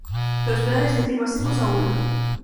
Prospera desde climas secos a húmedos.